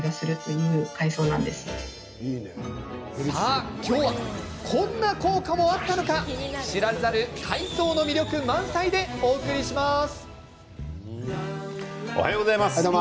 さあ今日はこんな効果もあったのか知られざる海藻の魅力満載でお送りします。